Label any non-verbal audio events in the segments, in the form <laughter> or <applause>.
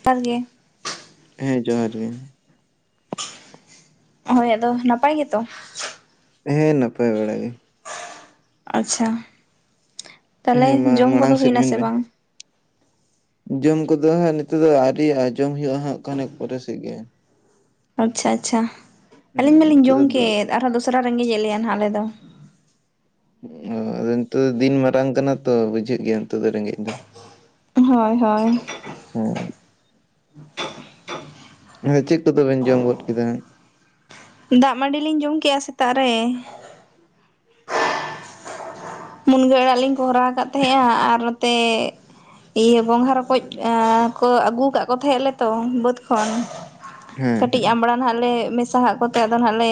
<unintelligible> ᱜᱮ᱾ ᱦᱮᱸ ᱡᱚᱦᱟᱨ ᱜᱮ᱾ ᱦᱳᱭ ᱟᱫᱚ ᱱᱟᱯᱟᱭ ᱜᱮ ᱛᱚ? ᱦᱮᱸ ᱱᱟᱯᱟᱭ ᱵᱟᱲᱟ ᱜᱮ᱾ ᱟᱪᱪᱷᱟ ᱛᱟᱞᱦᱮ ᱦᱮᱸ ᱢᱟ ᱡᱚᱢ ᱠᱚᱫᱚ ᱢᱟᱲᱟᱝ ᱥᱮᱫ ᱦᱩᱭᱱᱟ ᱢᱮᱱ ᱥᱮ ᱵᱮᱱ ᱵᱟᱝ? ᱡᱚᱢ ᱠᱚᱫᱚ ᱦᱟᱸᱜ ᱱᱤᱛᱳᱜ ᱫᱚ ᱟᱹᱣᱨᱤᱣᱟᱜ-ᱟ᱾ᱟᱸᱡᱚᱢ ᱦᱳᱭᱳᱜ-ᱟ ᱦᱟᱸᱜ ᱠᱷᱟᱱᱮᱠ ᱯᱚᱨᱮ ᱥᱮᱫ ᱜᱮ᱾ ᱟᱪᱪᱷᱟ, ᱟᱪᱪᱷᱟ ᱦᱮᱸ ᱟᱹᱞᱤᱧ ᱢᱟᱹᱞᱤᱧ ᱱᱤᱛᱚᱜ ᱡᱚᱢ ᱫᱚ ᱫᱩᱲᱩᱵ ᱠᱮᱫ᱾ᱟᱨ ᱦᱚᱸ ᱫᱚᱥᱨᱟ ᱨᱮᱸᱜᱮᱡ ᱮᱫ ᱞᱮᱭᱟ ᱦᱟᱸᱜ ᱟᱞᱮ ᱫᱚ᱾ ᱚ ᱟᱫᱚ ᱱᱤᱛᱳᱜ ᱫᱚ ᱫᱤᱱ ᱢᱟᱨᱟᱝ ᱠᱟᱱᱟ ᱛᱚ᱾ᱵᱩᱡᱷᱟᱹᱜ ᱜᱮᱭᱟ ᱱᱤᱛᱳᱜ ᱫᱚ ᱨᱮᱸᱜᱮᱡ ᱫᱚ᱾ ᱦᱚᱭ, ᱦᱚᱭ᱾ ᱦᱮᱸ, ᱦᱮᱸ ᱪᱮᱫ ᱠᱚᱫᱚ ᱵᱮᱱ ᱡᱚᱢ ᱜᱚᱫ ᱠᱮᱫᱟ? ᱫᱟᱜ ᱢᱟᱸᱰᱤ ᱞᱤᱧ ᱡᱚᱢ ᱠᱮᱜ-ᱟ ᱥᱮᱛᱟᱜ ᱨᱮ᱾ <inaudible> ᱢᱩᱱᱜᱟᱹ ᱟᱲᱟᱜ ᱞᱤᱧ ᱠᱚᱦᱨᱟ ᱠᱟᱜ ᱛᱟᱦᱮᱸᱜ-ᱟ ᱟᱨ ᱱᱚᱛᱮ ᱤᱭᱟᱹ ᱜᱚᱸᱝᱦᱟ ᱨᱚᱠᱚᱡ ᱮᱸᱻ ᱠᱚ ᱟᱹᱜᱩ ᱠᱟᱜ ᱠᱚ ᱛᱮᱦᱮᱸᱜ ᱞᱮᱛᱚ ᱵᱟᱹᱫᱽ ᱠᱷᱚᱱ᱾ ᱠᱟᱹᱴᱤᱡ ᱦᱮᱸ ᱟᱢᱲᱟ ᱱᱟᱦᱟᱸᱜ ᱞᱮ ᱢᱮᱥᱟ ᱦᱟᱸᱜ ᱠᱚᱛᱮ ᱟᱫᱚ ᱦᱟᱸᱜ ᱞᱮ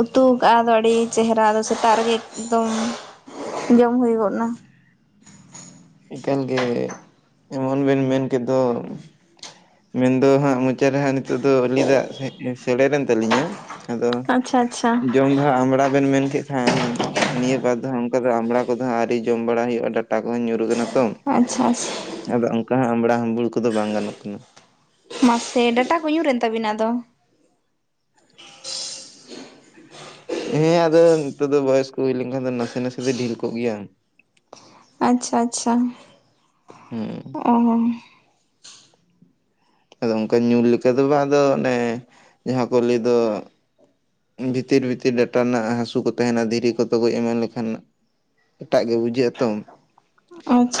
ᱩᱛᱩ ᱠᱟᱜ-ᱟ ᱟᱫᱚ ᱟᱹᱰᱤ ᱪᱮᱦᱨᱟ ᱟᱫᱚ ᱥᱮᱛᱟᱜ ᱨᱮᱜᱮ ᱮᱫᱚᱢ᱾ ᱡᱚᱢ ᱦᱩᱭ ᱜᱚᱫ ᱱᱟ᱾ ᱤᱠᱟᱹᱱ ᱜᱮ ᱮᱢᱚᱱ ᱵᱮᱱ ᱢᱮᱱ ᱠᱮᱫ ᱫᱚ᱾ ᱢᱮᱱ ᱫᱚ ᱦᱟᱸᱜ ᱢᱚᱪᱟᱹᱨ ᱨᱮ ᱦᱟᱸᱜ ᱱᱤᱛᱳᱜ ᱫᱚ ᱩᱞᱤ ᱫᱟᱜ ᱥᱮ ᱥᱮᱨᱮᱲ ᱮᱱ ᱛᱟᱹᱞᱤᱧᱟᱹ᱾ ᱟᱫᱚ ᱟᱪᱪᱷᱟ ᱟᱪᱪᱷᱟ ᱡᱚᱢ ᱫᱚ ᱦᱟᱸᱜ ᱟᱢᱲᱟ ᱵᱮᱱ ᱢᱮᱱ ᱠᱮᱫ ᱦᱮᱸ ᱱᱤᱭᱟᱹ ᱵᱟᱨ ᱫᱚ ᱚᱝᱠᱟ ᱫᱚ ᱟᱢᱲᱟ ᱠᱚᱫᱚ ᱦᱟᱸᱜ ᱟᱹᱣᱨᱤ ᱡᱚᱢ ᱵᱟᱲᱟ ᱦᱩᱭᱩᱜ-ᱟ᱾ᱰᱟᱴᱟ ᱠᱚᱦᱚᱸ ᱧᱩᱨᱩ ᱠᱟᱱᱟ ᱛᱚ᱾ ᱟᱪᱪᱷᱟ ᱟᱪᱪᱷᱟ ᱾ ᱟᱫᱚ ᱚᱝᱠᱟ ᱦᱚᱸᱜ ᱟᱢᱵᱽᱲᱟ ᱦᱟᱹᱢᱵᱩᱲ ᱠᱚᱫᱚ ᱵᱟᱝ ᱜᱟᱱᱚᱜ ᱠᱟᱱᱟ ᱾ ᱢᱟᱥᱮ ᱰᱟᱴᱟ ᱠᱚ ᱧᱩᱨᱮᱱ ᱛᱟᱵᱤᱱᱟ ᱟᱫᱚ! ᱦᱮᱸ ᱟᱫᱚ ᱱᱤᱛᱚᱜ ᱫᱚ ᱵᱚᱭᱮᱥ ᱠᱚ ᱦᱩᱭ ᱞᱮᱝᱠᱷᱟᱱ ᱫᱚ ᱱᱟᱥᱮ ᱱᱟᱥᱮ ᱫᱚ ᱰᱷᱤᱞ ᱠᱚᱜ ᱜᱮᱭᱟ ᱾ ᱟᱪᱪᱷᱟ ᱟᱪᱪᱷᱟ ᱾ ᱦᱩᱸ ᱾ ᱚᱻ ᱟᱫᱚ ᱚᱝᱠᱟ ᱧᱩᱨ ᱞᱮᱠᱟ ᱫᱚ ᱵᱟᱝ ᱟᱫᱚ ᱚᱱᱮ ᱡᱟᱦᱟᱸ ᱠᱚ ᱞᱟ. ᱭ ᱫᱚ ᱵᱷᱤᱛᱤᱨ ᱵᱷᱤᱛᱤᱨ ᱰᱟᱴᱟ ᱨᱮᱱᱟᱜ ᱦᱟᱹᱥᱩ ᱠᱚ ᱛᱟᱦᱮᱱᱟ ᱫᱷᱤᱨᱤ ᱠᱚ ᱛᱚᱜᱚᱡ ᱮᱢᱟᱱ ᱞᱮᱠᱷᱟᱱ ᱮᱴᱟᱜ ᱜᱮ ᱵᱩᱡᱷ ᱡᱷᱟᱜᱼᱟ ᱛᱚᱢ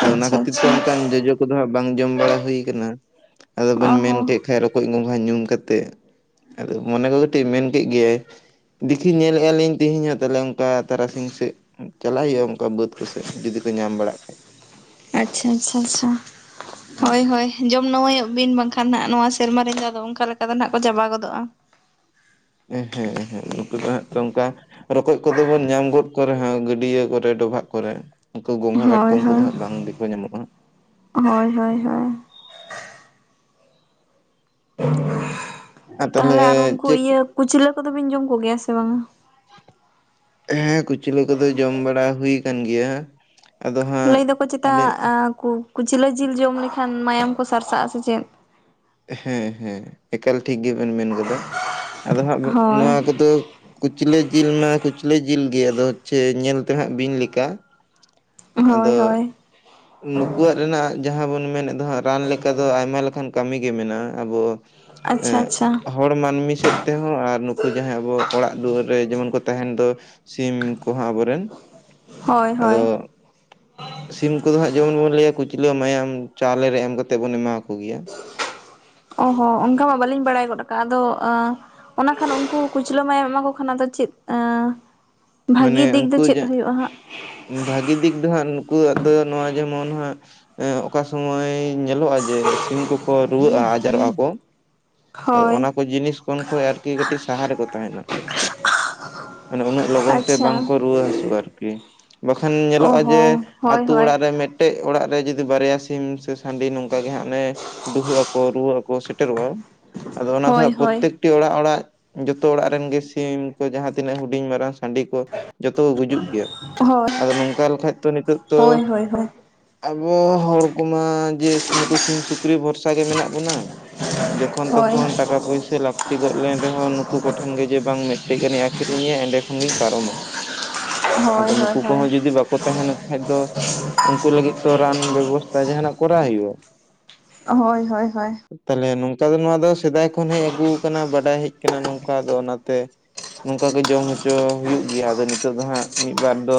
ᱟᱫᱚ ᱚᱱᱟ ᱟᱪᱪᱷᱟ ᱠᱷᱟᱹᱛᱤᱨ ᱛᱮ ᱟᱪᱪᱷᱟ ᱚᱝᱠᱟᱱ ᱡᱚᱡᱚ ᱠᱚᱫᱚ ᱦᱟᱸᱜ ᱵᱟᱝ ᱡᱚᱢ ᱵᱟᱲᱟ ᱦᱩᱭ ᱟᱠᱟᱱᱟ, ᱟᱫᱚ ᱚ ᱵᱮᱱ ᱢᱮᱱ ᱦᱚᱸ ᱠᱮᱫ ᱠᱷᱟᱡ ᱨᱚᱠᱚᱡ ᱜᱚᱸᱜᱷᱟ ᱧᱩᱢ ᱠᱟᱛᱮᱜ ᱟᱫᱚ ᱢᱚᱱᱮ ᱠᱚ ᱠᱟᱹᱴᱤᱡ ᱢᱮᱱ ᱠᱮᱫ ᱜᱮᱭᱟᱭ ᱫᱮᱠᱷᱤ ᱧᱮᱞᱮᱛᱼᱟ ᱞᱤᱧ ᱛᱮᱦᱮᱧ ᱦᱚᱸ ᱛᱟᱦᱚᱞᱮ ᱚᱝᱠᱟ ᱛᱟᱨᱟᱥᱤᱧ ᱥᱮᱫ ᱾ ᱪᱟᱞᱟᱜ ᱦᱩᱭᱩᱜᱼᱟ ᱚᱝᱠᱟ ᱵᱟᱹᱫ ᱠᱚᱥᱮᱫ ᱡᱩᱫᱤ ᱠᱚ ᱧᱟᱢ ᱵᱟᱲᱟᱜ ᱠᱷᱟᱡ ᱾ ᱟᱪᱪᱷᱟ ᱟᱪᱪᱷᱟ ᱟᱪᱪᱷᱟ, ᱦᱮᱸ᱾ ᱦᱳᱭ ᱦᱳᱭ ᱾ ᱡᱚᱢ ᱱᱟᱹᱣᱟᱹᱭᱚᱜ ᱵᱤᱱ ᱵᱟᱝᱠᱷᱟᱱ ᱱᱟᱦᱟᱜ ᱱᱚᱣᱟ ᱥᱮᱨᱢᱟ ᱨᱮᱫᱚ ᱟᱫᱚ ᱚᱝᱤᱟ ᱞᱮᱠᱟ ᱫᱚ ᱱᱟᱦᱟᱜ ᱠᱚ ᱪᱟᱵᱟ ᱜᱚᱫᱚᱜᱼᱟ ᱾ ᱦᱮᱸ ᱦᱮᱸ ᱱᱩᱠᱩ ᱫᱚ ᱦᱟᱸᱜ ᱛᱚ ᱚᱝᱠᱟ ᱨᱚᱠᱚᱡ ᱠᱚᱫᱚ ᱵᱚᱱ ᱧᱟᱢ ᱜᱚᱫ ᱠᱚ ᱨᱮᱦᱚᱸ ᱜᱟᱹᱰᱭᱟᱹ ᱠᱚᱨᱮ ᱰᱚᱵᱷᱟᱜ ᱠᱚᱨᱮ ᱾ ᱩᱝᱠᱩ ᱜᱚᱝᱜᱷᱟ ᱦᱳᱭ ᱠᱟᱴᱠᱚᱢ ᱠᱚᱫᱚ ᱦᱳᱭ ᱦᱟᱸᱜ ᱵᱟᱝ ᱜᱮᱠᱚ ᱧᱟᱢᱚᱜᱼᱟ ᱾ ᱦᱳᱭ ᱦᱳᱭ ᱦᱳᱭ ᱾ ᱟᱨ ᱛᱟᱦᱚᱞᱮ ᱟᱨ ᱩᱱᱠᱩ ᱪᱮᱫ ᱤᱭᱟᱹ ᱠᱩᱪᱞᱟᱹ ᱠᱚᱫᱚᱵᱤᱱ ᱡᱚᱢ ᱠᱚᱜᱮᱭᱟ ᱥᱮ ᱵᱟᱝᱟ? ᱦᱮᱸ ᱠᱩᱪᱞᱟᱹ ᱠᱚᱫᱚ ᱡᱚᱢ ᱵᱟᱲᱟ ᱦᱩᱭ ᱟᱠᱟᱱ ᱜᱮᱭᱟ ᱾ ᱞᱟᱹᱭ ᱫᱚᱠᱚ ᱪᱮᱛᱟ ᱠᱩ ᱠᱩᱪᱤᱞᱟᱹ ᱡᱤᱞ ᱡᱚᱢ ᱞᱮᱠᱷᱟᱱ ᱢᱟᱭᱟᱢ ᱠᱚ ᱥᱟᱨᱥᱟᱜᱼᱟ ᱥᱮ ᱪᱮᱫ! ᱦᱮᱸ ᱦᱮᱸ ᱮᱠᱟᱞ ᱴᱷᱤᱠ ᱜᱮᱵᱮᱱ ᱢᱮᱱ ᱠᱟᱫᱟ, ᱟᱫᱚ ᱦᱟᱸᱜ ᱱᱚᱣᱟ ᱦᱳᱭ ᱠᱚᱫᱚ ᱠᱩᱪᱞᱟᱹ ᱡᱤᱞ ᱢᱟ ᱠᱩᱪᱞᱟᱹ ᱡᱤᱞ ᱜᱮ ᱟᱫᱚ ᱦᱚᱪᱪᱷᱮ ᱧᱮᱞ ᱛᱮᱦᱟᱜ ᱵᱤᱧ ᱞᱮᱠᱟ ᱾ ᱦᱳᱭ ᱦᱳᱭ ᱾ ᱱᱩᱠᱩᱣᱟᱜ ᱨᱮᱱᱟᱜ ᱡᱟᱦᱟᱸ ᱵᱚᱱ ᱢᱮᱱᱮᱫ ᱫᱚ ᱦᱟᱸᱜ ᱨᱟᱱ ᱞᱮᱠᱟ ᱫᱚ ᱟᱭᱢᱟ ᱞᱮᱠᱟᱱ ᱠᱟᱹᱢᱤᱜᱮ ᱢᱮᱱᱟᱜᱼᱟ ᱾ ᱟᱵᱚ ᱟᱪᱪᱷᱟ ᱮᱸᱜ ᱟᱪᱪᱷᱟ ᱾ ᱦᱚᱲ ᱢᱟᱹᱱᱢᱤ ᱥᱮᱫ ᱛᱮᱦᱚᱸ ᱟᱨ ᱱᱩᱠᱩ ᱡᱟᱦᱟᱸᱭ ᱟᱵᱚ ᱚᱲᱟᱜ ᱫᱩᱣᱟᱹᱨ ᱨᱮ ᱡᱮᱢᱚᱱ ᱠᱚ ᱛᱟᱦᱮᱱ ᱫᱚ ᱥᱤᱢ ᱠᱚᱦᱚᱸ ᱟᱵᱚᱨᱮᱱ ᱾ ᱦᱳᱭ ᱦᱳᱭ ᱾ ᱥᱤᱢ ᱠᱚᱫᱚ ᱦᱟᱸᱜ ᱡᱮᱢᱚᱱ ᱵᱚᱱ ᱞᱟᱹᱭᱟ ᱠᱩᱪᱞᱟᱹ ᱢᱟᱭᱟᱢ ᱪᱟᱣᱞᱮ ᱨᱮ ᱮᱢ ᱠᱟᱛᱮ ᱵᱚᱱ ᱮᱢᱟ ᱠᱚᱜᱮᱭᱟ ᱾ ᱚ ᱦᱚ ᱚᱱᱠᱟ ᱢᱟ ᱵᱟᱞᱤᱧ ᱵᱟᱲᱟᱭ ᱜᱚᱫ ᱠᱟᱜᱼᱟ, ᱟᱫᱚ ᱚᱱᱟ ᱠᱷᱟᱱ ᱩᱱᱠᱩ ᱠᱩᱪᱞᱟᱹ ᱢᱟᱭᱟᱢ ᱮᱢᱟ ᱠᱚ ᱠᱷᱟᱱ ᱟᱫᱚ ᱪᱮᱫ ᱮᱸᱻ ᱢᱟᱱᱮ ᱵᱷᱟᱜᱤ ᱫᱤᱠ ᱫᱚ ᱩᱱᱠᱩ ᱪᱮᱫ ᱡᱟ ᱦᱩᱭᱩᱜᱼᱟ ᱦᱟᱸᱜ? ᱵᱷᱟᱹᱜᱤ ᱫᱤᱠ ᱫᱚ ᱦᱟᱸᱜ ᱱᱩᱠᱩᱣᱟᱜ ᱫᱚ ᱱᱚᱣᱟ ᱡᱮᱢᱚᱱ ᱦᱟᱸᱜ ᱮᱸ ᱚᱠᱟ ᱥᱚᱢᱚᱭ ᱧᱮᱞᱚᱜᱼᱟ ᱡᱮ ᱥᱤᱢ ᱠᱚᱠᱚ ᱨᱩᱣᱟᱹᱜᱼᱟ ᱟᱡᱟᱨᱚᱜᱼᱟ ᱠᱚ? ᱟᱫᱚ ᱦᱳᱭ ᱚᱱᱟ ᱠᱚ ᱡᱤᱱᱤᱥ ᱠᱷᱚᱡ ᱠᱚ ᱟᱨᱠᱤ ᱠᱟᱹᱴᱤᱡ ᱥᱟᱦᱟ ᱨᱮᱠᱚ ᱛᱟᱦᱮᱱᱟ ᱾ ᱢᱟᱱᱮ ᱩᱱᱟᱹᱜ ᱞᱚᱜᱚᱱ ᱛᱮ ᱟᱪᱪᱷᱟ ᱵᱟᱝ ᱠᱚ ᱨᱩᱣᱟᱹ ᱦᱟᱹᱥᱩᱜᱼᱟ ᱟᱨᱠᱤ ᱾ ᱵᱟᱠᱷᱟᱱ ᱚ ᱧᱮᱞᱚᱜᱼᱟ ᱡᱮ ᱦᱚᱸ ᱦᱳᱭ ᱟᱛᱩ ᱦᱳᱭ ᱚᱲᱟᱜ ᱨᱮ ᱢᱤᱫ ᱴᱮᱡ ᱚᱲᱟᱜ ᱨᱮ ᱡᱩᱫᱤ ᱵᱟᱨᱭᱟ ᱥᱤᱢ ᱥᱮ ᱥᱟᱺᱰᱤ ᱱᱚᱝᱠᱟ ᱜᱮ ᱦᱟᱸᱜ ᱚᱱᱮ ᱰᱩᱦᱩᱜ ᱟᱠᱚ ᱨᱩᱣᱟᱹᱜ ᱟᱠᱚ ᱥᱮᱴᱮᱨᱚᱜᱼᱟ ᱟᱫᱚ ᱚᱱᱟ ᱫᱚ ᱦᱳᱭ ᱦᱟᱸᱜ ᱦᱳᱭ ᱯᱨᱚᱛᱛᱮᱠ ᱴᱤ ᱚᱲᱟᱜ ᱚᱲᱟᱜ ᱡᱚᱛᱚ ᱚᱲᱟᱜ ᱨᱮᱱ ᱜᱮ ᱥᱤᱢ ᱠᱚ ᱡᱟᱦᱟᱸ ᱛᱤᱱᱟᱹᱜ ᱦᱩᱰᱤᱧ ᱢᱟᱨᱟᱝ ᱥᱟᱺᱰᱤ ᱠᱚ ᱡᱚᱛᱚ ᱠᱚ ᱜᱩᱡᱩᱜ ᱜᱮᱭᱟ, ᱦᱳᱭ ᱟᱫᱚ ᱱᱚᱝᱠᱟ ᱞᱮᱠᱷᱟᱡ ᱛᱚ ᱱᱤᱛᱚᱜ ᱛᱚ ᱦᱳᱭ ᱦᱳᱭ ᱦᱳᱭ ᱟᱵᱚ ᱦᱚᱲ ᱠᱚᱢᱟ ᱡᱮ ᱥᱤ ᱱᱩᱠᱩ ᱥᱤᱢ ᱥᱩᱠᱨᱤ ᱵᱷᱚᱨᱥᱟ ᱜᱮ ᱢᱮᱱᱟᱜ ᱵᱚᱱᱟ ᱾ ᱡᱚᱠᱷᱚᱱ ᱦᱳᱭ ᱛᱚᱠᱷᱚᱱ ᱴᱟᱠᱟ ᱯᱩᱭᱥᱟᱹ ᱞᱟᱠᱛᱤ ᱜᱚᱜ ᱞᱮᱱ ᱨᱮᱦᱚᱸ ᱱᱩᱠᱩ ᱠᱚᱴᱷᱮᱱ ᱜᱮ ᱡᱟᱹ ᱵᱟᱝ ᱢᱤᱜᱴᱤᱡ ᱜᱟᱱᱤᱧ ᱟᱠᱷᱨᱤᱧᱮᱭᱟ ᱮᱸᱰᱮ ᱠᱷᱚᱱᱜᱤᱧ ᱯᱟᱨᱚᱢᱟ᱾ ᱦᱳᱭ ᱦᱳᱭ ᱟᱫᱚ ᱱᱩᱠᱩ ᱦᱳᱭ ᱠᱚᱦᱚᱸ ᱡᱩᱫᱤ ᱵᱟᱠᱚ ᱛᱟᱦᱮᱱ ᱠᱷᱟᱡ ᱫᱚ ᱩᱝᱠᱩ ᱞᱟᱹᱜᱤᱫ᱾ ᱛᱚ ᱨᱟᱱ ᱵᱮᱵᱚᱥᱛᱟ ᱡᱟᱸᱦᱟᱱᱟᱜ ᱠᱚᱨᱟᱣ ᱦᱩᱭᱩᱜ-ᱟ᱾ ᱦᱚᱭ ᱦᱚᱭ ᱦᱚᱭ᱾ ᱛᱟᱦᱞᱮ ᱱᱚᱝᱠᱟ ᱫᱚ ᱱᱚᱣᱟ ᱫᱚ ᱥᱮᱫᱟᱭ ᱠᱷᱚᱱ ᱦᱮᱡ ᱟᱜᱩ ᱠᱟᱱᱟ ᱵᱟᱰᱟᱭ ᱦᱮᱡ ᱠᱟᱱᱟ ᱱᱚᱝᱠᱟ ᱫᱚ ᱚᱱᱟᱛᱮ᱾ ᱱᱚᱝᱠᱟ ᱜᱮ ᱡᱚᱢ ᱦᱚᱪᱚ ᱦᱩᱭᱩᱜ ᱜᱮᱭᱟ ᱟᱫᱚ ᱱᱤᱛᱚᱜ ᱫᱚ ᱦᱟᱸᱜ ᱢᱤᱜᱵᱟᱨ ᱫᱚ᱾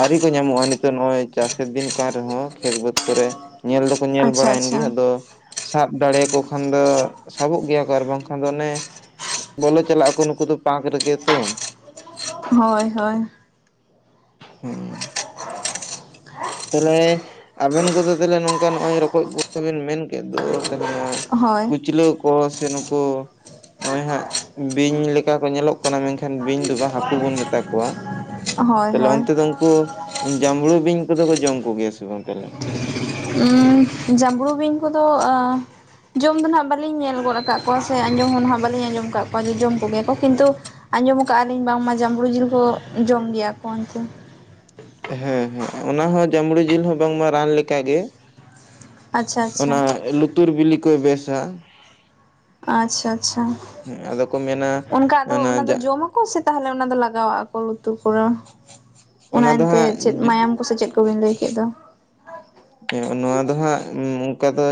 ᱟᱣᱨᱤ ᱠᱚ ᱧᱟᱢᱚᱜ-ᱟ ᱱᱤᱛᱚᱜ ᱱᱚᱜᱚᱭ ᱪᱟᱥᱮᱨ ᱫᱤᱱ ᱠᱟᱱ ᱨᱮᱦᱚᱸ ᱠᱷᱮᱛ ᱵᱟᱹᱫᱽ ᱠᱚᱨᱮ ᱧᱮᱞ ᱫᱚ᱾ ᱧᱮᱞ ᱟᱪᱪᱷᱟ ᱵᱟᱲᱟᱭᱮᱱ ᱟᱪᱪᱷᱟ ᱜᱮᱭᱟ ᱟᱫᱚ ᱥᱟᱵ ᱫᱟᱲᱮᱭᱟᱠᱚ᱾ ᱠᱷᱟᱱ ᱫᱚ ᱥᱟᱵᱚᱜ ᱜᱮᱭᱟ ᱠᱚ ᱟᱨ ᱵᱟᱝᱠᱷᱟᱱ ᱫᱚ ᱚᱱᱮ᱾ ᱵᱚᱞᱚ ᱪᱟᱞᱟᱜ ᱟᱠᱚ ᱱᱩᱠᱩ ᱫᱚ ᱯᱟᱸᱠ ᱨᱮᱜᱮ ᱛᱚ᱾ ᱦᱳᱭ ᱦᱳᱭ᱾ ᱦᱩᱸ᱾ ᱛᱟᱦᱞᱮ ᱟᱵᱮᱱ ᱠᱚᱫᱚ ᱛᱟᱦᱞᱮ ᱱᱚᱝᱠᱟ ᱱᱚᱜᱚᱭ ᱨᱚᱠᱚᱡ ᱠᱚ ᱵᱮᱱ ᱢᱮᱱ ᱠᱮᱫ ᱫᱚ᱾ ᱛᱟᱦᱞᱮ ᱱᱚᱣᱟ ᱦᱳᱭ ᱠᱩᱪᱞᱟᱹ᱾ ᱠᱚ ᱥᱮ ᱱᱩᱠᱩ ᱱᱚᱜ-ᱚᱭ ᱦᱟᱸᱜ ᱵᱤᱧ ᱞᱮᱠᱟ ᱠᱚ ᱧᱮᱞᱚᱜ᱾ ᱠᱚᱱᱟ ᱢᱮᱝᱠᱷᱟᱱ ᱵᱤᱧ ᱫᱚ ᱵᱟ ᱦᱟᱠᱩ ᱵᱚᱱ ᱢᱮᱛᱟ ᱠᱚᱣᱟ ᱦᱳᱭ ᱛᱟᱦᱞᱮ ᱦᱳᱭ ᱚᱱᱛᱮ ᱫᱚ᱾ ᱠᱩ ᱡᱟᱢᱲᱩ ᱵᱤᱧ ᱠᱚᱫᱚ ᱠᱚ ᱡᱚᱢ ᱠᱚᱜᱮᱭᱟ ᱥᱮ ᱵᱟᱝ ᱛᱟᱦᱞᱮ᱾ ᱩᱸ ᱡᱟᱢᱲᱩ ᱵᱤᱧ ᱠᱚᱫᱚ ᱟᱸ᱾ ᱡᱚᱢ ᱫᱚ ᱱᱷᱟᱜ ᱵᱟᱞᱤᱧ ᱧᱮᱞ ᱜᱚᱫ ᱠᱟᱜ ᱠᱚᱣᱟ ᱥᱮ ᱟᱸᱡᱚᱢ ᱦᱚᱸ ᱱᱷᱟᱜ ᱵᱟᱞᱤᱧ ᱟᱸᱡᱚᱢ ᱠᱟᱜ ᱠᱚᱣᱟ ᱡᱮ ᱡᱚᱢ ᱠᱚᱜᱮᱭᱟ ᱠᱚ ᱠᱤᱱᱛᱩ᱾ ᱟᱸᱡᱚᱢ ᱠᱟᱜ ᱟᱞᱤᱧ ᱵᱟᱝᱢᱟ ᱡᱟᱢᱵᱲᱩ ᱡᱤᱞ ᱠᱚ ᱡᱚᱢ ᱜᱮᱭᱟ ᱠᱚ ᱚᱱᱛᱮ᱾ ᱦᱮᱸ ᱦᱮᱸ ᱚᱱᱟ ᱦᱚᱸ ᱡᱟᱢᱲᱩ ᱡᱤᱞ ᱦᱚᱸ ᱵᱟᱝᱢᱟ ᱨᱟᱱ ᱞᱮᱠᱟᱜᱮ᱾ ᱟᱪᱪᱷᱟ ᱟᱪᱪᱷᱟ ᱚᱱᱟ ᱞᱩᱛᱩᱨ ᱵᱤᱞᱤ ᱠᱚᱭ ᱵᱮᱥᱟ᱾ ᱟᱪᱪᱷᱟ ᱟᱪᱪᱷᱟ ᱦᱮᱸ ᱟᱫᱚ ᱠᱚ ᱢᱮᱱᱟ ᱚᱱᱠᱟ ᱟᱫᱚ ᱚᱱᱟ ᱫᱚ ᱡᱟ ᱡᱚᱢ ᱚᱠᱟ ᱥᱮᱜ ᱛᱟᱦᱞᱮ ᱚᱱᱟ ᱫᱚ ᱞᱟᱜᱟᱣᱟᱜ-ᱟᱠᱚ ᱞᱩᱛᱩᱨ ᱠᱚᱨᱚ ᱚᱱᱟ ᱫᱚ ᱮᱱᱛᱮ ᱪᱮᱫ ᱦᱟᱸᱜ ᱢᱟᱭᱟᱢ᱾ ᱩᱱᱠᱩ ᱥᱮ ᱪᱮᱫ ᱠᱚᱵᱤᱱ ᱞᱟᱹᱭ ᱠᱮᱜ ᱫᱚ᱾ ᱦᱮᱸ ᱱᱚᱣᱟ ᱫᱚ ᱦᱟᱸᱜ ᱚᱝᱠᱟ ᱫᱚ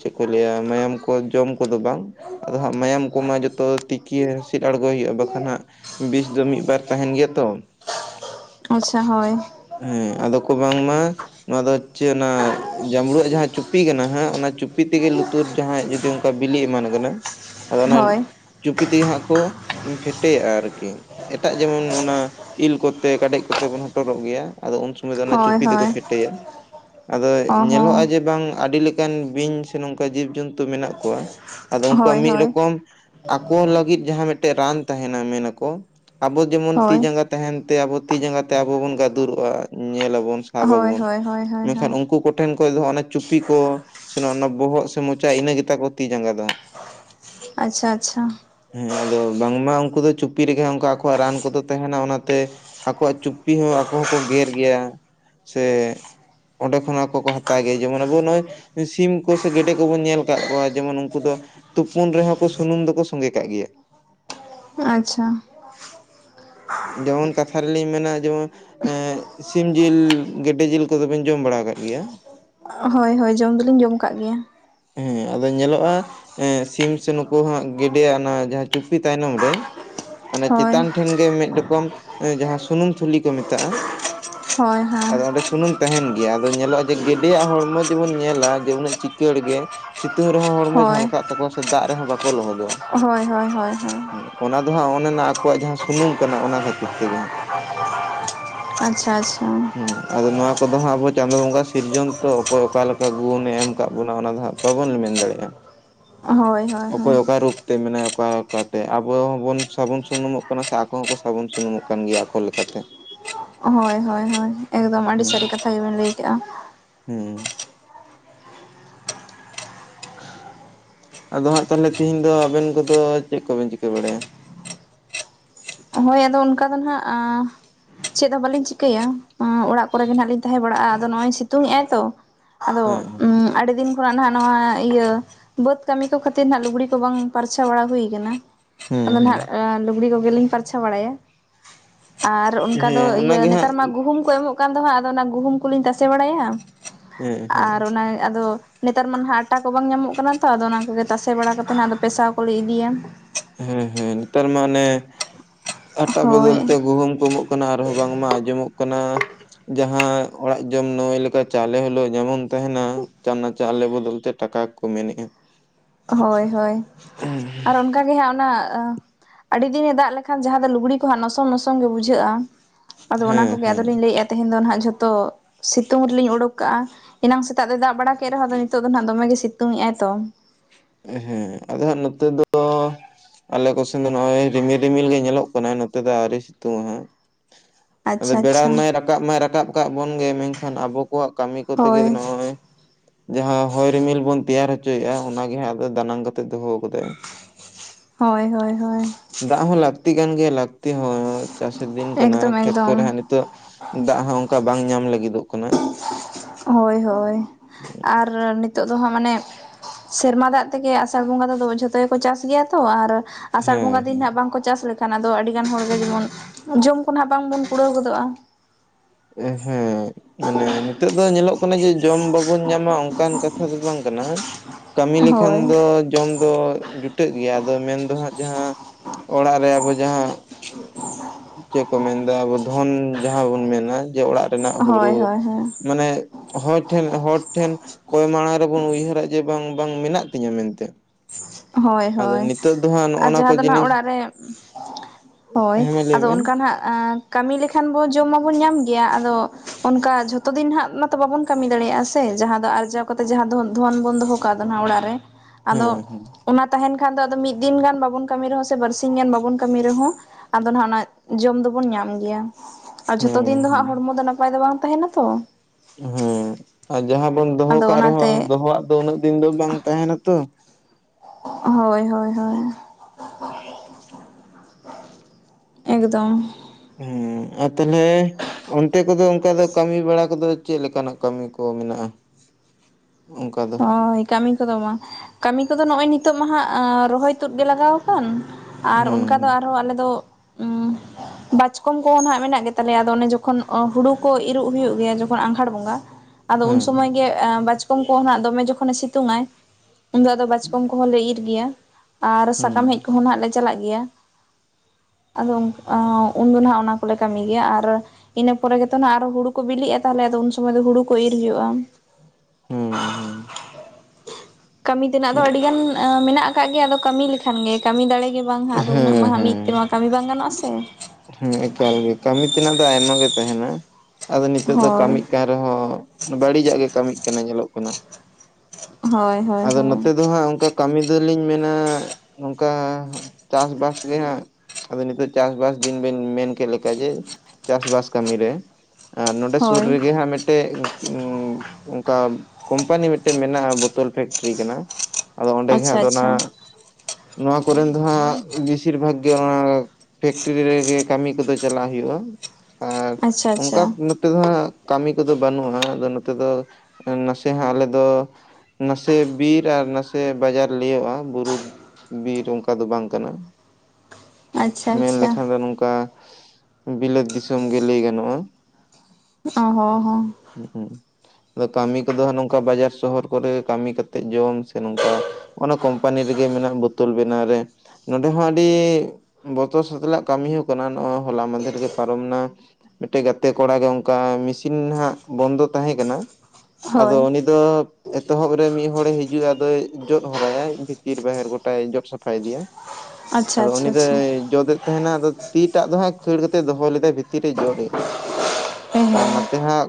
ᱪᱮᱜ ᱠᱚ ᱞᱟᱹᱭᱟ ᱢᱟᱭᱟᱢ ᱠᱚ ᱡᱚᱢ ᱠᱚᱫᱚ ᱵᱟᱝ᱾ ᱟᱫᱚ ᱦᱟᱸᱜ ᱢᱟᱭᱟᱢ ᱠᱚᱢᱟ ᱡᱚᱛᱚ ᱛᱤᱠᱤ ᱤᱥᱤᱱ ᱟᱸᱬᱜᱚᱭ ᱦᱩᱭᱩᱜ-ᱟ ᱵᱟᱠᱷᱟᱱ ᱦᱟᱸᱜ᱾ ᱵᱤᱥ ᱫᱚ ᱢᱤᱜ ᱵᱟᱨ ᱛᱟᱦᱮᱱ ᱜᱮᱭᱟ ᱛᱚ᱾ ᱟᱪᱪᱷᱟ ᱦᱳᱭ᱾ ᱦᱮᱸ ᱟᱫᱚ ᱠᱚ ᱵᱟᱝᱢᱟ ᱱᱚᱣᱟ ᱫᱚ ᱪᱮᱜ ᱚᱱᱟ᱾ ᱡᱟᱸᱢᱲᱩᱣᱟᱜ ᱡᱟᱸᱦᱟ ᱪᱩᱯᱤ ᱠᱟᱱᱟ ᱦᱟᱸᱜ ᱚᱱᱟ ᱪᱩᱯᱤ ᱛᱮᱜᱮ ᱞᱩᱛᱩᱨ ᱡᱟᱸᱦᱟᱭ ᱡᱩᱫᱤ ᱚᱝᱠᱟ ᱵᱤᱞᱤ ᱮᱢᱟᱱ ᱠᱟᱱᱟ᱾ ᱟᱫᱚ ᱚᱱᱟ ᱦᱳᱭ ᱪᱩᱯᱤ ᱛᱮᱜᱮ ᱦᱟᱸᱜ ᱠᱚ ᱯᱷᱮᱴᱮᱭᱟᱜ-ᱟ ᱟᱨᱠᱤ᱾ ᱮᱴᱟᱜ ᱡᱮᱢᱚᱱ ᱚᱱᱟ ᱤᱞ ᱠᱚᱛᱮ ᱠᱟᱰᱮᱡ ᱠᱚᱛᱮ ᱵᱚᱱ ᱦᱚᱴᱚᱨᱚᱜ ᱜᱮᱭᱟ ᱟᱫᱚ ᱩᱱ ᱥᱚ ᱥᱩᱢᱟᱹᱭ ᱫᱚ ᱚᱱᱟ ᱦᱳᱭ ᱪᱩᱯᱤ ᱛᱮᱠᱚ ᱦᱳᱭ ᱯᱷᱮᱴᱮᱭᱟ᱾ ᱟᱫᱚ ᱚ ᱦᱚᱸ ᱧᱮᱞᱚᱜ-ᱟ ᱡᱮ ᱵᱟᱝ ᱟᱰᱤ ᱞᱮᱠᱟᱱ ᱵᱤᱧ ᱥᱮ ᱱᱚᱝᱠᱟ ᱡᱤᱵ ᱡᱚᱱᱛᱩ ᱢᱮᱱᱟᱜ ᱠᱚᱣᱟ᱾ ᱟᱫᱚ ᱩᱝᱠᱩᱣᱟᱜ ᱦᱳᱭ ᱢᱤᱜ ᱦᱳᱭ ᱨᱚᱠᱚᱢ ᱟᱠᱚ ᱞᱟᱹᱜᱤᱫ ᱡᱟᱸᱦᱟ ᱢᱮᱴᱮᱜ ᱨᱟᱱ ᱛᱟᱦᱮᱱᱟ ᱢᱮᱱᱟᱠᱚ ᱟᱵᱚ᱾ ᱡᱮᱢᱚᱱ ᱛᱤ ᱦᱳᱭ ᱡᱟᱸᱜᱟ ᱛᱟᱦᱮᱱ ᱛᱮ ᱟᱵᱚ ᱛᱤ ᱡᱟᱸᱜᱟ ᱛᱮ ᱟᱵᱚ ᱵᱚᱱ ᱜᱟᱫᱩᱨᱚᱜ-ᱟ ᱧᱮᱞᱟᱵᱚᱱ᱾ ᱥᱟᱵ ᱦᱚᱭ ᱟᱵᱚᱱ ᱦᱚᱭ ᱦᱚᱭ ᱦᱚᱭ ᱢᱮᱱᱠᱷᱟᱱ ᱦᱚᱭ᱾ ᱩᱱᱠᱩ ᱠᱚᱴᱷᱮᱱ ᱠᱷᱚᱡ ᱫᱚ ᱦᱟᱸᱜ ᱚᱱᱮ ᱪᱩᱯᱤ ᱠᱚ᱾ ᱥᱮᱱ ᱚᱱᱟ ᱵᱚᱦᱚᱜ ᱥᱮ ᱢᱚᱪᱟ ᱤᱱᱟᱹ ᱜᱮᱛᱟ ᱠᱚ ᱛᱤ ᱡᱟᱸᱜᱟ ᱫᱚ ᱦᱟᱸᱜ᱾ ᱟᱪᱪᱷᱟ ᱟᱪᱪᱷᱟ᱾ ᱦᱮᱸ ᱟᱫᱚ ᱵᱟᱝᱢᱟ ᱩᱝᱠᱩ ᱫᱚ ᱪᱩᱯᱤ ᱨᱮᱜᱮ ᱩᱱᱠᱩ ᱟᱠᱚᱣᱟᱜ ᱨᱟᱱ ᱠᱚᱫᱚ ᱛᱟᱸᱦᱮᱱᱟ ᱚᱱᱟᱛᱮ᱾ ᱟᱠᱚᱣᱟᱜ ᱪᱩᱯᱤ ᱦᱚᱸ ᱟᱠᱚ ᱦᱚᱸᱠᱚ ᱜᱮᱨ ᱜᱮᱭᱟ ᱥᱮ᱾ ᱚᱸᱰᱮ ᱠᱷᱚᱱ ᱟᱠᱚ ᱠᱚ ᱦᱟᱛᱟ ᱜᱮᱭᱟ ᱡᱮᱢᱚᱱ ᱟᱵᱚ ᱱᱚᱜᱚᱭ᱾ ᱥᱤᱢ ᱠᱚ ᱥᱮ ᱜᱮᱰᱮ ᱠᱚᱵᱚᱱ ᱧᱮᱞ ᱠᱟᱜ ᱠᱚᱣᱟ ᱡᱮᱢᱚᱱ ᱩᱱᱠᱩ ᱫᱚ, ᱛᱩᱯᱩᱱ ᱨᱮᱦᱚᱸ ᱠᱚ ᱥᱩᱱᱩᱢ ᱫᱚᱠᱚ ᱥᱚᱸᱜᱮ ᱠᱟᱜ ᱜᱮᱭᱟ᱾ ᱟᱪᱷᱟ᱾ ᱡᱮᱢᱚᱱ ᱠᱟᱛᱷᱟ ᱨᱮᱞᱤᱧ ᱢᱮᱱᱟ ᱡᱮᱢᱚᱱ ᱥᱤᱢ ᱡᱤᱞ ᱜᱮᱰᱮ ᱡᱤᱞ ᱠᱚᱫᱚᱵᱤᱱ ᱡᱚᱢ ᱵᱟᱲᱟ ᱠᱟᱜ ᱜᱮᱭᱟ? ᱦᱳᱭ ᱦᱳᱭ ᱡᱚᱢ ᱫᱚᱞᱤᱧ ᱡᱚᱢ ᱟᱠᱟᱜ ᱜᱮᱭᱟ᱾ ᱦᱮᱸ ᱟᱫᱚ ᱧᱮᱞᱚᱜᱼᱟ ᱦᱮᱸ ᱥᱤᱢ ᱥᱮ ᱱᱩᱠᱩ ᱦᱟᱸᱜ ᱜᱮᱰᱮᱭᱟᱜ ᱚᱱᱟ ᱡᱟᱦᱟᱸ ᱪᱩᱯᱤ ᱛᱟᱭᱱᱚᱢ ᱨᱮ, ᱦᱳᱭ ᱪᱮᱛᱟᱱ ᱴᱷᱮᱱ ᱜᱮ ᱢᱤᱫ ᱨᱚᱠᱚᱢ ᱡᱟᱦᱟᱸ ᱥᱩᱱᱩᱢ ᱛᱷᱩᱞᱤ ᱠᱚ ᱢᱮᱛᱟᱜᱼᱟ᱾ ᱦᱳᱭ ᱦᱮᱸ ᱟᱫᱚ ᱚᱸᱰᱮ ᱥᱩᱱᱩᱢ ᱛᱟᱦᱮᱱ ᱜᱮᱭᱟ ᱟᱫᱚ ᱧᱮᱞᱚᱜᱼᱟ ᱡᱮ ᱜᱮᱰᱮᱭᱟᱜ ᱦᱚᱲᱢᱚ ᱡᱮᱢᱚᱱ ᱧᱮᱞᱟ ᱡᱮ ᱩᱱᱟᱹᱜ ᱪᱤᱠᱟᱹᱲ ᱜᱮ᱾ ᱥᱤᱛᱩᱝ ᱨᱮ ᱦᱚᱸ ᱦᱚᱲᱢᱚ ᱦᱳᱭ ᱡᱷᱟᱞᱠᱟᱜ ᱛᱟᱠᱚᱣᱟ ᱥᱮ ᱫᱟᱜ ᱨᱮ ᱦᱚᱸ ᱵᱟᱠᱚ ᱞᱚᱦᱚᱫᱚᱜᱼᱟ ᱦᱳᱭ ᱦᱳᱭ ᱦᱳᱭ ᱦᱩ᱾ ᱚᱱᱟ ᱫᱚ ᱦᱟᱸᱜ ᱚᱱᱮ ᱱᱟ ᱟᱠᱚ ᱟᱪᱷᱟ ᱟᱪᱷᱟ᱾ ᱦᱩᱸ ᱟᱫᱚ ᱱᱚᱣᱟ ᱠᱚ ᱫᱚ ᱦᱟᱸᱜ ᱟᱵᱚ ᱪᱟᱸᱫᱳ ᱵᱚᱸᱜᱟ ᱥᱤᱨᱡᱚᱱ ᱛᱚ ᱚᱠᱚᱭ ᱚᱠᱟ ᱞᱮᱠᱟ ᱜᱩᱱᱮ ᱮᱢ ᱠᱟᱫ ᱵᱚᱱᱟ ᱚᱱᱟ ᱫᱚ ᱦᱟᱸᱜ ᱵᱟᱵᱚᱱ ᱢᱮᱱ ᱫᱟᱲᱮᱜᱼᱟ ᱦᱳᱭ ᱦᱳᱭ ᱚᱠᱚᱭ ᱦᱳᱭ ᱚᱠᱟ ᱨᱩᱯ ᱛᱮ ᱢᱮᱱᱟᱭᱟ ᱚᱠᱟ ᱚᱠᱟᱛᱮ ᱟᱵᱚ ᱦᱚᱸ ᱵᱚᱱ ᱥᱟᱵᱚᱱ ᱥᱩᱱᱩᱢᱚᱜ ᱠᱟᱱᱟ ᱥᱮ ᱟᱠᱚ ᱦᱚᱸ ᱠᱚ ᱥᱟᱵᱚᱱ ᱥᱩᱱᱩᱢᱚᱜ ᱠᱟᱱ ᱜᱮᱭᱟ ᱟᱠᱚ ᱞᱮᱠᱟᱛᱮ᱾ <unintelligible> ᱦᱳᱭ ᱦᱳᱭ ᱦᱳᱭ ᱮᱠᱫᱚᱢ ᱟᱹᱰᱤ ᱥᱟᱹᱨᱤ ᱦᱩᱸ ᱠᱟᱛᱷᱟ ᱜᱮᱵᱤᱱ ᱞᱟᱹᱭ ᱠᱮᱫᱼᱟ᱾ ᱦᱩᱸ᱾ ᱟᱫᱚ ᱦᱟᱸᱜ ᱛᱟᱦᱞᱮ ᱛᱤᱦᱤᱧ ᱫᱚ ᱟᱵᱮᱱ ᱠᱚ ᱫᱚ ᱪᱮᱫ ᱠᱚᱵᱤᱱ ᱪᱤᱠᱟᱹ ᱵᱟᱲᱟᱭᱟ? ᱦᱳᱭ ᱟᱫᱚ ᱚᱱᱠᱟ ᱫᱚ ᱱᱟᱦᱟᱜ ᱪᱮᱫ ᱦᱚᱸ ᱵᱟᱹᱞᱤᱧ ᱪᱤᱠᱟᱹᱭᱟ᱾ ᱚᱲᱟᱜ ᱠᱚᱨᱮᱜ ᱜᱮ ᱱᱟᱦᱟᱜ ᱞᱤᱧ ᱛᱟᱦᱮᱸ ᱵᱟᱲᱟᱜᱼᱟ ᱟᱫᱚ ᱱᱚᱜᱚᱭ ᱥᱤᱛᱩᱝ ᱮᱜᱟᱭ ᱛᱚ ᱟᱫᱚ ᱦᱮᱸ ᱟᱹᱰᱤ ᱫᱤᱱ ᱦᱚᱨᱟᱜ ᱱᱟᱦᱟᱜ ᱱᱚᱣᱟ ᱤᱭᱟᱹ ᱵᱟᱹᱫ ᱠᱟᱹᱢᱤ ᱠᱚ ᱠᱷᱟᱹᱛᱤᱨ ᱱᱟᱦᱟᱜ ᱞᱩᱜᱽᱲᱤ ᱠᱚ ᱵᱟᱝ ᱯᱟᱨᱪᱷᱟ ᱵᱟᱲᱟ ᱦᱩᱭᱩ ᱠᱟᱱᱟ᱾ ᱦᱮᱸ ᱦᱩᱸ ᱟᱫᱚ ᱦᱩᱸ ᱱᱟᱦᱟᱜ ᱞᱩᱜᱽᱲᱤ ᱠᱚ ᱜᱮ ᱞᱤᱧ ᱯᱟᱨᱪᱷᱟ ᱵᱟᱲᱟᱭᱟ᱾ ᱟᱨ ᱚᱱᱠᱟ ᱫᱚ ᱦᱮᱸ ᱤᱭᱟᱹ ᱚᱱᱟᱜᱮ ᱦᱟᱸᱜ ᱱᱮᱛᱟᱨ ᱢᱟ ᱜᱩᱦᱩᱢ ᱠᱚ ᱮᱢᱚᱜ ᱠᱟᱱ ᱫᱚ ᱦᱟᱸᱜ ᱟᱫᱚ ᱚᱱᱟ ᱜᱩᱦᱩᱢ ᱠᱚᱞᱤᱧ ᱛᱟᱥᱮ ᱵᱟᱲᱟᱭᱟ ᱦᱮᱸ ᱦᱮᱸ ᱟᱨ ᱚᱱᱮ ᱟᱫᱚ, ᱱᱮᱛᱟᱨ ᱢᱟ ᱱᱟᱦᱟᱜ ᱟᱴᱟ ᱠᱚ ᱵᱟᱝ ᱧᱟᱢᱚᱜ ᱠᱟᱱᱟ ᱛᱚ ᱟᱫᱚ ᱚᱱᱟ ᱠᱚ ᱜᱮ ᱛᱟᱥᱮ ᱵᱟᱲᱟ ᱠᱟᱛᱮᱫ ᱱᱟᱜ ᱟᱫᱚ ᱯᱮᱥᱟᱣ ᱠᱚᱞᱮ ᱤᱫᱤᱭᱟ᱾ ᱦᱮᱸ ᱦᱮᱸ ᱱᱮᱛᱟᱨ ᱢᱟ ᱚᱱᱮ ᱟᱴᱟ ᱵᱚᱫᱚᱞ ᱦᱳᱭ ᱛᱮ ᱜᱩᱦᱩᱢ ᱠᱚ ᱮᱢᱚᱜ ᱠᱟᱱᱟ ᱟᱨ ᱦᱚᱸ ᱵᱟᱝᱢᱟ ᱟᱸᱡᱚᱢᱚᱜ ᱠᱟᱱᱟ᱾ ᱡᱟᱦᱟᱸ ᱚᱲᱟᱜ ᱡᱚᱢ ᱱᱟᱹᱭ ᱞᱮᱠᱟ ᱪᱟᱣᱞᱮ ᱦᱳᱞᱳᱭ ᱧᱟᱢᱚᱱ ᱛᱟᱦᱮᱱᱟ ᱪᱟᱱᱟ ᱪᱟᱣᱞᱮ ᱵᱚᱫᱚᱞ ᱛᱮ ᱴᱟᱠᱟ ᱠᱚ, ᱠᱚ ᱢᱮᱱᱮᱜᱼᱟ᱾ ᱦᱳᱭ ᱦᱳᱭ ᱟᱨ ᱚᱱ ᱚᱝᱠᱟ ᱜᱮ ᱦᱟᱸᱜ ᱚᱱᱟ ᱟᱹᱰᱤ ᱫᱤᱱᱮ ᱫᱟᱜ ᱞᱮᱠᱷᱟᱱ ᱡᱟᱦᱟᱸ ᱫᱚ ᱞᱩᱜᱽᱲᱤ ᱠᱚ ᱦᱚᱸ ᱱᱚᱥᱚᱝ ᱱᱚᱥᱚᱝ ᱜᱮ ᱵᱩᱡᱷᱟᱹᱜᱼᱟ᱾ ᱟᱫᱚ ᱚᱱᱟ ᱦᱮᱸ ᱠᱚ ᱜᱮ ᱟᱫᱚ ᱦᱮᱸ ᱞᱤᱧ ᱞᱟᱹᱭᱮᱫᱼᱟ ᱛᱮᱦᱮᱧ ᱫᱚ ᱦᱟᱜᱟᱜ ᱡᱷᱚᱛᱚ, ᱥᱤᱛᱩᱝ ᱨᱤᱞᱤᱧ ᱳᱰᱳᱠ ᱠᱟᱜᱟ ᱮᱱᱟᱝ ᱥᱮᱛᱟᱜ ᱫᱚᱭ ᱫᱟᱜ ᱵᱟᱲᱟ ᱠᱮᱫ ᱨᱮ ᱦᱚᱸ ᱟᱫᱚ ᱱᱤᱛᱚᱜ ᱫᱚ ᱱᱦᱟᱜ ᱫᱚᱢᱮ ᱜᱮ ᱥᱤᱛᱩᱝ ᱮᱜᱟᱭ ᱛᱚ᱾ ᱦᱮᱸ ᱟᱫᱚ ᱦᱟᱸᱜ ᱱᱚᱛᱮ ᱫᱚ᱾ ᱟᱞᱮ ᱠᱚᱥᱮᱱ ᱫᱚ ᱱᱚᱜᱚᱭ ᱨᱤᱢᱤᱞ ᱨᱤᱢᱤᱞ ᱜᱮ ᱧᱮᱞᱚᱜ ᱠᱟᱱᱟ ᱱᱚᱛᱮ ᱫᱚ ᱟᱹᱣᱨᱤ ᱥᱤᱛᱩᱝ ᱟᱭ ᱦᱟᱜ᱾ ᱟᱫᱚ ᱟᱪᱪᱷᱟ ᱵᱮᱲ ᱟᱪᱪᱷᱟ ᱢᱟᱭ ᱨᱟᱠᱟᱵ ᱢᱟᱭ ᱨᱟᱠᱟᱵ ᱠᱟᱜ ᱵᱚᱱ ᱜᱮ ᱢᱮᱱᱠᱷᱟᱱ ᱟᱵᱚ ᱠᱚᱣᱟᱜ ᱠᱟᱹᱢᱤ ᱠᱚᱛᱮ ᱜᱮ ᱦᱳᱭ ᱱᱚᱜᱚᱭ, ᱡᱟᱦᱟᱸ ᱦᱚᱭ ᱨᱤᱢᱤᱞ ᱵᱚᱱ ᱛᱮᱭᱟᱨ ᱦᱚᱪᱚᱭᱮᱜᱟ ᱚᱱᱟ ᱜᱮ ᱦᱟᱜ ᱟᱫᱚ ᱫᱟᱱᱟᱝ ᱠᱟᱛᱮᱜ ᱫᱚᱦᱚ ᱠᱟᱫᱟᱭ᱾ ᱦᱳᱭ ᱦᱳᱭ ᱦᱳᱭ᱾ ᱫᱟᱜ ᱦᱚᱸ ᱞᱟᱹᱠᱛᱤ ᱠᱟᱱ ᱜᱮᱭᱟ ᱞᱟᱹᱠᱛᱤ ᱦᱚᱸ ᱪᱟᱥᱮᱨ ᱫᱤᱱ ᱠᱟᱱᱟ ᱮᱠᱫᱚᱢ ᱠᱷᱮᱛ ᱮᱠᱫᱚᱢ ᱠᱚᱨᱮ ᱦᱟᱸᱜ ᱱᱤᱛᱚᱜ ᱫᱟᱜ ᱦᱚᱸ ᱚᱱᱠᱟ ᱵᱟᱝ ᱧᱟᱢ ᱞᱟᱹᱜᱤᱫᱚᱜ ᱠᱟᱱᱟ᱾ ᱦᱳᱭ ᱦᱳᱭ ᱟᱨ ᱱᱤᱛᱚᱜ ᱫᱚ ᱦᱟᱸᱜ ᱢᱟᱱᱮ, ᱥᱮᱨᱢᱟ ᱫᱟᱜ ᱛᱮᱜᱮ ᱟᱥᱟᱲ ᱵᱚᱸᱜᱟ ᱫᱚ ᱡᱷᱚᱛᱚ ᱜᱮ ᱠᱚ ᱪᱟᱥ ᱜᱮᱭᱟ ᱛᱚ ᱟᱨ ᱟᱥᱟᱲ ᱵᱚᱸᱜᱟ ᱦᱮᱸ ᱫᱤᱱ ᱦᱟᱸᱜ ᱵᱟᱝ ᱠᱚ ᱪᱟᱥ ᱞᱮᱠᱷᱟᱱ ᱟᱫᱚ ᱟᱹᱰᱤ ᱜᱟᱱ ᱦᱚᱲ ᱜᱮ ᱡᱮᱢᱚᱱ ᱡᱚᱢ ᱠᱚ ᱱᱟᱦᱟᱜ ᱵᱟᱝ ᱵᱚᱱ ᱠᱩᱲᱟᱹᱣ ᱜᱚᱫᱚᱜᱼᱟ᱾ ᱮ ᱦᱮᱸ ᱢᱟᱱᱮ ᱱᱤᱛᱚᱜ ᱫᱚ ᱧᱮᱞᱚᱜ ᱠᱟᱱᱟ ᱡᱮ ᱡᱚᱢ ᱵᱟᱵᱚᱱ ᱧᱟᱢᱟ ᱚᱝᱠᱟᱱ ᱠᱟᱛᱷᱟ ᱫᱚ ᱵᱟᱝ ᱠᱟᱱᱟ, ᱠᱟᱹᱢᱤ ᱞᱮᱠᱷᱟᱱ ᱦᱳᱭ ᱫᱚ ᱡᱚᱢ ᱫᱚ ᱡᱩᱴᱟᱹᱜ ᱜᱮᱭᱟ ᱟᱫᱚ ᱢᱮᱱ ᱫᱚ ᱦᱟᱸᱜ ᱡᱟᱦᱟᱸ ᱚᱲᱟᱜ ᱨᱮ ᱟᱵᱚ ᱡᱟᱦᱟᱸ ᱪᱮᱫ ᱠᱚ ᱢᱮᱱ ᱫᱟ ᱟᱵᱚ ᱫᱷᱚᱱ ᱡᱟᱦᱟᱸ ᱵᱚᱱ ᱢᱮᱱᱟ ᱡᱮ ᱚᱲᱟᱜ ᱨᱮᱱᱟᱜ ᱦᱳᱭ ᱦᱩᱲᱩ ᱦᱳᱭ ᱦᱳᱭ ᱢᱟᱱᱮ ᱦᱚᱭ ᱴᱷᱮᱱ ᱦᱚᱲ ᱴᱷᱮᱱ ᱠᱚᱭ ᱢᱟᱲᱟᱝ ᱨᱮᱵᱚᱱ ᱩᱭᱦᱟᱹᱨᱟ ᱡᱮ ᱵᱟᱝ ᱵᱟᱝ ᱢᱮᱱᱟᱜ ᱛᱤᱧᱟ ᱢᱮᱱᱛᱮ᱾ ᱦᱳᱭ ᱟᱫᱚ ᱦᱳᱭ, ᱱᱤᱛᱚᱜ ᱫᱚ ᱦᱟᱸᱜ ᱱᱚᱜᱼᱚ ᱟᱨ ᱱᱟ ᱠᱚ ᱡᱟᱦᱟᱸ ᱫᱚ ᱦᱟᱜ ᱡᱤᱱᱤᱥ ᱚᱲᱟᱜ ᱨᱮ ᱦᱳᱭ, ᱦᱮᱸ ᱢᱟ ᱞᱟᱹᱭ ᱟᱫᱚ ᱵᱮᱱ ᱚᱱᱠᱟ ᱱᱟᱜᱟᱜ ᱠᱟᱹᱢᱤ ᱞᱮᱠᱷᱟᱱ ᱵᱚ ᱡᱚᱢ ᱢᱟᱵᱚᱱ ᱧᱟᱢ ᱜᱮᱭᱟ ᱟᱫᱚ ᱚᱱᱠᱟ ᱡᱷᱚᱛᱚ ᱫᱤᱱ ᱦᱟᱸᱜ ᱢᱟ ᱛᱚ ᱵᱟᱵᱚᱱ ᱠᱟᱹᱢᱤ ᱫᱟᱲᱮᱭᱟᱜᱼᱟ ᱥᱮ ᱡᱟᱦᱟᱸ ᱫᱚ ᱟᱨᱡᱟᱣ ᱠᱟᱛᱮ ᱡᱟᱦᱟᱸ ᱫᱚ ᱫᱷᱚᱱ ᱵᱚᱱ ᱫᱚᱦᱚ ᱠᱟᱜ ᱫᱚ ᱦᱟᱸᱜ ᱚᱲᱟᱜ ᱨᱮ᱾ ᱟᱫᱚ ᱦᱮᱸ ᱚᱱᱟ ᱛᱟᱦᱮᱱ ᱠᱷᱟᱱ ᱫᱚ ᱟᱫᱚ ᱢᱤᱫ ᱫᱤᱱ ᱜᱟᱱ ᱵᱟᱵᱚᱱ ᱠᱟᱹᱢᱤ ᱨᱮᱦᱚᱸ ᱥᱮ ᱵᱟᱨᱥᱤᱧ ᱜᱟᱱ ᱵᱟᱵᱚᱱ ᱠᱟᱹᱢᱤ ᱨᱮᱦᱚᱸ ᱟᱫᱚ ᱱᱟᱦᱟᱜ ᱚᱱᱟ ᱡᱚᱢ ᱫᱚᱵᱚᱱ ᱧᱟᱢ ᱜᱮᱭᱟ ᱟᱨ ᱡᱷᱚᱛᱚ ᱦᱮᱸ ᱫᱤᱱ ᱫᱚ ᱦᱟᱸᱜ ᱦᱚᱲᱢᱚ ᱫᱚ ᱱᱟᱯᱟᱭ ᱫᱚ ᱵᱟᱝ ᱛᱟᱦᱮᱱᱟ ᱛᱚ᱾ ᱦᱮᱸ ᱟᱨ ᱡᱟᱦᱟᱸ ᱵᱚᱱ ᱫᱚᱦᱚ ᱟᱫᱚ ᱠᱟᱜ ᱨᱮᱦᱚᱸ ᱚᱱᱟᱛᱮ ᱫᱚᱦᱚᱣᱟᱜ ᱫᱚ ᱩᱱᱟᱹᱜ ᱫᱤᱱ ᱫᱚ ᱵᱟᱝ ᱛᱟᱦᱮᱱᱟ ᱛᱚ᱾ ᱦᱳᱭ ᱦᱳᱭ ᱦᱳᱭ᱾ <inaudible> ᱮᱠᱫᱚᱢ᱾ ᱦᱩᱸ ᱟᱨ ᱛᱟᱞᱦᱮ ᱚᱱᱛᱮ ᱠᱚᱫᱚ ᱚᱱᱠᱟ ᱫᱚ ᱠᱟᱹᱢᱤ ᱵᱟᱲᱟ ᱠᱚᱫᱚ ᱪᱮᱫ ᱞᱮᱠᱟᱱᱟᱜ ᱠᱟᱹᱢᱤ ᱠᱚ ᱢᱮᱱᱟᱜᱼᱟ? ᱚᱱᱠᱟ ᱫᱚ᱾ ᱦᱳᱭ ᱠᱟᱹᱢᱤ ᱠᱚᱫᱚ ᱵᱟᱝ, ᱠᱟᱹᱢᱤ ᱠᱚᱫᱚ ᱱᱚᱜᱼᱚᱭ ᱱᱤᱛᱚᱜ ᱢᱟ ᱦᱟᱸᱜ ᱨᱚᱦᱚᱭ ᱛᱩᱫ ᱜᱮ ᱞᱟᱜᱟᱣ ᱟᱠᱟᱱ᱾ ᱟᱨ ᱚᱱᱠᱟ ᱫᱚ ᱦᱮᱸ ᱟᱨᱦᱚᱸ ᱟᱞᱮ ᱫᱚ <inaudible> ᱵᱟᱪᱠᱚᱢ ᱠᱚᱦᱚᱸ ᱱᱟᱜ ᱢᱮᱱᱟᱜ ᱜᱮᱛᱟᱞᱮᱭᱟ ᱟᱫᱚ ᱚᱱᱮ ᱡᱚᱠᱷᱚᱱ ᱦᱩᱲᱩ ᱠᱚ ᱤᱨᱚᱜ ᱦᱩᱭᱩᱜ ᱜᱮᱭᱟ ᱡᱚᱠᱷᱚᱱ ᱟᱸᱜᱷᱟᱲ ᱵᱚᱸᱜᱟ ᱟᱫᱚ ᱩᱱ ᱦᱮᱸ ᱥᱚᱢᱚᱭ ᱜᱮ ᱮ ᱵᱟᱪᱠᱚᱢ ᱠᱚᱦᱚᱸ ᱱᱟᱜ ᱫᱚᱢᱮ ᱡᱚᱠᱷᱚᱱᱮ ᱥᱤᱛᱩᱝ ᱟᱭ, ᱩᱱ ᱫᱚ ᱵᱟᱪᱠᱚᱢ ᱠᱚᱦᱚᱸᱞᱮ ᱤᱨ ᱜᱮᱭᱟ ᱟᱨ ᱦᱮᱸ ᱥᱟᱠᱟᱢ ᱦᱮᱡ ᱠᱚᱦᱚᱸ ᱱᱟᱜᱞᱮ ᱪᱟᱞᱟᱜ ᱜᱮᱭᱟ᱾ ᱟᱫᱚ ᱩᱝ ᱚ ᱩᱱᱫᱚ ᱱᱟᱦᱟᱜ ᱚᱱᱟ ᱠᱚᱞᱮ ᱠᱟᱹᱢᱤ ᱜᱮᱭᱟ ᱟᱨ ᱤᱱᱟᱹ ᱯᱚᱨᱮ ᱜᱮᱛᱚ ᱱᱟᱜ ᱟᱨᱚ ᱦᱩᱲᱩ ᱠᱚ ᱵᱤᱞᱤᱜᱼᱟ ᱛᱟᱦᱚᱞᱮ ᱟᱫᱚ ᱩᱱ ᱥᱚᱢᱚᱭ ᱫᱚ ᱦᱩᱲᱩ ᱠᱚ ᱤᱨ ᱦᱩᱭᱩᱜᱼᱟ᱾ ᱦᱮᱸ ᱠᱟᱹᱢᱤ ᱛᱮᱱᱟᱜ ᱫᱚ ᱦᱮᱸ ᱟᱹᱰᱤ ᱜᱟᱱ ᱮᱸ ᱢᱮᱱᱟᱜ ᱟᱠᱟᱫ ᱜᱮᱭᱟ ᱟᱫᱚ ᱠᱟᱹᱢᱤ ᱞᱮᱠᱷᱟᱱ ᱜᱮ ᱠᱟᱹᱢᱤ ᱫᱟᱲᱮ ᱜᱮ ᱵᱟᱝ ᱦᱟᱸᱜ ᱟᱫᱚ ᱩᱱᱟᱹᱜ ᱢᱟ ᱦᱮᱸ ᱦᱟᱸᱜ ᱢᱤᱫ ᱛᱮᱢᱟ ᱠᱟᱹᱢᱤ ᱵᱟᱝ ᱜᱟᱱᱚᱜᱼᱟ ᱥᱮ᱾ ᱦᱩᱸ ᱮᱠᱟᱞ ᱜᱮ ᱠᱟᱹᱢᱤ ᱛᱮᱱᱟᱜ ᱫᱚ ᱟᱭᱢᱟ ᱜᱮ ᱛᱟᱦᱮᱱᱟ ᱟᱫᱚ ᱱᱤᱛᱚᱜ ᱫᱚ ᱦᱳᱭ ᱠᱟᱹᱢᱤ ᱠᱟᱱ ᱨᱮᱦᱚᱸ ᱵᱟᱹᱲᱤᱡᱟᱜ ᱜᱮ ᱠᱟᱹᱢᱤᱜ ᱠᱟᱱᱟ ᱧᱮᱞᱚᱜ ᱠᱟᱱᱟ᱾ ᱦᱳᱭ᱾ ᱦᱳᱭ ᱟᱫᱚ ᱦᱳᱭ ᱱᱚᱛᱮ ᱫᱚ ᱦᱟᱸᱜ ᱚᱱᱠᱟ ᱠᱟᱹᱢᱤ ᱫᱚᱞᱤᱧ ᱢᱮᱱᱟ ᱱᱚᱝᱠᱟ ᱪᱟᱥᱵᱟᱥ ᱜᱮ ᱦᱟᱸᱜ᱾ ᱟᱫᱚ ᱱᱤᱛᱚᱜ ᱪᱟᱥᱵᱟᱥ ᱫᱤᱱ ᱵᱮᱱ ᱢᱮᱱ ᱠᱮᱫ ᱞᱮᱠᱟ ᱡᱮ ᱪᱟᱥᱵᱟᱥ ᱠᱟᱹᱢᱤ ᱨᱮ᱾ ᱟᱨ ᱱᱚᱰᱮ ᱥᱩᱨ ᱦᱳᱭ ᱨᱮᱜᱮ ᱦᱟᱸᱜ ᱢᱤᱫᱴᱮᱡ ᱩᱸ ᱚᱱᱠᱟ ᱠᱳᱢᱯᱟᱱᱤ ᱢᱤᱫᱴᱮᱱ ᱢᱮᱱᱟᱜᱼᱟ ᱵᱳᱛᱚᱞ ᱯᱷᱮᱠᱴᱨᱤ ᱠᱟᱱᱟ ᱟᱫᱚ ᱚᱸᱰᱮ ᱜᱮ ᱟᱪᱪᱷᱟ ᱟᱫᱚ ᱚᱱᱟ ᱟᱪᱪᱷᱟ ᱱᱚᱣᱟ ᱠᱚᱨᱮᱱ ᱫᱚ ᱦᱟᱸᱜ ᱵᱮᱥᱤᱨ ᱵᱷᱟᱜᱽ ᱜᱮ ᱚᱱᱟ ᱯᱷᱮᱠᱴᱨᱤ ᱨᱮᱜᱮ ᱠᱟᱹᱢᱤ ᱠᱚᱫᱚ ᱪᱟᱞᱟᱜ ᱦᱩᱭᱩᱜᱼᱟ ᱟᱨ ᱟᱪᱪᱷᱟ ᱚᱱᱠᱟ ᱟᱪᱪᱷᱟ ᱱᱚ ᱛᱮ ᱫᱚ ᱦᱟᱸᱜ ᱠᱟᱹᱢᱤ ᱠᱚᱫᱚ ᱵᱟᱹᱱᱩᱜᱼᱟ ᱟᱫᱚ ᱱᱚᱛᱮ ᱫᱚ ᱱᱟᱥᱮ ᱦᱟᱸᱜ ᱟᱞᱮ ᱫᱚ ᱱᱟᱥᱮ ᱵᱤᱨ ᱟᱨ ᱱᱟᱥᱮ ᱵᱟᱡᱟᱨ ᱞᱟᱹᱭᱳᱼᱟ ᱵᱩᱨᱩ ᱵᱤᱨ ᱚᱱᱠᱟ ᱫᱚ ᱵᱟᱝ ᱠᱟᱱᱟ᱾ ᱟᱪᱪᱷᱟ ᱢᱮᱱ ᱟᱪᱪᱷᱟ ᱞᱮᱠᱷᱟᱱ ᱫᱚ ᱱᱚᱝᱠᱟ ᱵᱤᱞᱟᱹᱛ ᱫᱤᱥᱚᱢ ᱜᱮ ᱞᱟᱹᱭ ᱜᱟᱱᱚᱜᱼᱟ, ᱚᱻ ᱦᱚᱸᱦᱚ, ᱦᱩ ᱟᱫᱚ ᱠᱟᱹᱢᱤ ᱠᱚᱫᱚ ᱱᱚᱝᱠᱟ ᱵᱟᱡᱟᱨ ᱥᱚᱦᱚᱨ ᱠᱚᱨᱮ, ᱠᱟᱹᱢᱤ ᱠᱟᱛᱮᱜ ᱡᱚᱢ ᱥᱮ ᱱᱚᱝᱠᱟ ᱚᱱᱟ ᱠᱳᱢᱯᱟᱱᱤ ᱨᱮᱜᱮ ᱢᱮᱱᱟᱜ ᱵᱳᱛᱚᱞ ᱵᱮᱱᱟᱣ ᱨᱮ ᱱᱚᱸᱰᱮ ᱦᱚᱸ ᱟᱹᱰᱤ ᱵᱚᱛᱚᱨ ᱥᱟᱛᱞᱟᱜ ᱠᱟᱹᱢᱤ ᱦᱚᱸ ᱠᱟᱱᱟ ᱱᱚᱜᱚᱭ ᱦᱚᱞᱟ ᱢᱟᱫᱷᱮᱨᱜᱮ ᱯᱟᱨᱚᱢᱱᱟ, ᱢᱤᱫᱴᱮᱱ ᱜᱟᱛᱮ ᱠᱚᱲᱟ ᱜᱮ ᱚᱱᱠᱟ ᱢᱮᱥᱤᱱ ᱦᱟᱜ ᱵᱚᱱᱫᱚ ᱛᱟᱦᱮᱸ ᱠᱟᱱᱟ, ᱟᱫᱚ ᱦᱳᱭ, ᱩᱱᱤ ᱫᱚ ᱮᱛᱚᱦᱚᱵ ᱨᱮ ᱢᱤᱫ ᱦᱚᱲᱮ ᱦᱤᱡᱩᱜᱼᱟ ᱟᱫᱚᱭ ᱡᱚᱜ ᱦᱚᱨᱟᱭᱟ ᱵᱷᱤᱛᱤᱨ ᱵᱟᱦᱮᱨ ᱜᱚᱴᱟᱭ ᱡᱚᱫ ᱥᱟᱯᱷᱟᱭ ᱤᱫᱤᱭᱟᱭ, ᱟᱪᱪᱷᱟ ᱟᱫᱚ ᱟᱪᱪᱷᱟ ᱩᱱᱤ ᱫᱚ ᱟᱪᱪᱷᱟ ᱡᱚᱫᱮᱫ ᱛᱟᱦᱮᱱᱟ ᱟᱫᱚ ᱛᱤ ᱴᱟᱜ ᱫᱚ ᱦᱟᱸᱜ ᱠᱷᱟᱹᱲ ᱠᱟᱛᱮ ᱫᱚᱦᱚ ᱞᱮᱫᱟᱭ ᱵᱷᱤᱛᱤᱨ ᱨᱮ ᱡᱚᱫᱮᱫ ᱟᱭ, ᱦᱮᱸ ᱟᱨ ᱦᱮᱸ ᱱᱟᱛᱮ ᱦᱟᱜ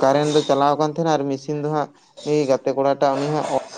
ᱠᱟᱨᱮᱱᱴ ᱫᱚ ᱪᱟᱞᱟᱣ ᱠᱟᱱ ᱛᱟᱦᱮᱱᱟ ᱟᱨ ᱢᱮᱥᱤᱱ ᱫᱚ ᱦᱟᱸᱜ ᱱᱩᱭ ᱜᱟᱛᱮ ᱜᱟᱛᱮ ᱠᱚᱲᱟᱴᱟᱜ ᱩᱱᱤ ᱦᱚᱸ